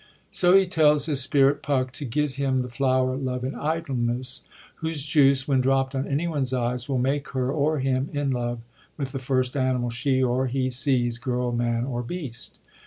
So he tells his spirit Puck to get him the flower love in idleness, whose juice, when dropt on anyone's eyes, will make her or him in love with the first animal she or he sees — girl, man, or be^tst.